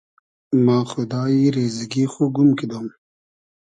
ما خودایی ریزئگی خو گوم کیدۉم